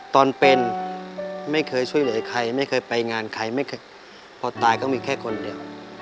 ตอนเป็นไม่เคยช่วยเหลือใครไม่เคยไปงานใครไม่เคยพอตายก็มีแค่คนเดียว